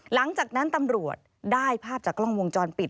หลังจากนั้นตำรวจได้ภาพจากกล้องวงจรปิด